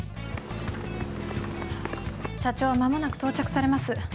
社長は間もなく到着されます。